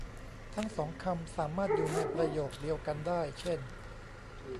ทั้งสองคำสามารถอยู่ในประโยคเดียวกันได้ เช่น